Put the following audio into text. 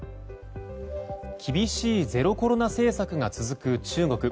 厳しいゼロコロナ政策が続く中国。